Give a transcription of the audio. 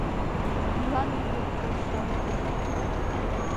Молан ом пид полшалыкым